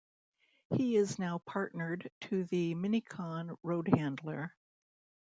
He is now partnered to the Mini-Con Roadhandler.